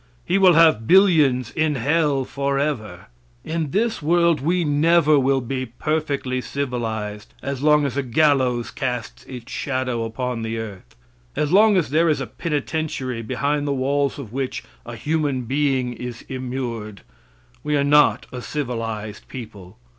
He will have billions in hell forever. In this world we never will be perfectly civilized as long as a gallows casts its shadow upon the earth. As long as there is a penitentiary, behind the walls of which a human being is immured, we are not a civilized people.